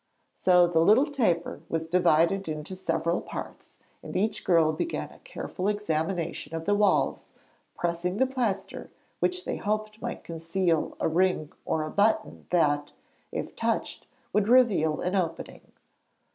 So the little taper was divided into several parts and each girl began a careful examination of the walls, pressing the plaster, which they hoped might conceal a ring or a button that, if touched, would reveal an opening.